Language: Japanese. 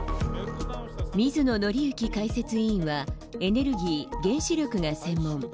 水野倫之解説委員はエネルギー・原子力が専門。